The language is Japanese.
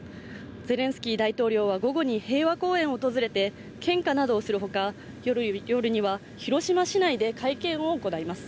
ゼレンスキー大統領は午後に平和公園を訪れて献花などをするほか、夜には広島市内で会見を行います。